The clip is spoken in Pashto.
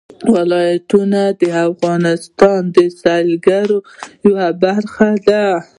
ولایتونه د افغانستان د سیلګرۍ یوه برخه ده.